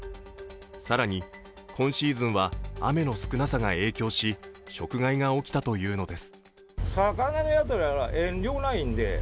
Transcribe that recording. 更に今シーズンは雨の少なさが影響し食害が起きたというのです。